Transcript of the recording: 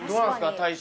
大将。